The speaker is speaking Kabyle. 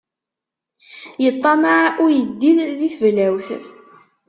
Yeṭṭammaɛ uyeddid di teblawt.